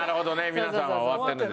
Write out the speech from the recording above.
皆さんは終わってるんですね。